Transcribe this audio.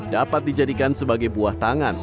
dapat dijadikan sebagai buah tangan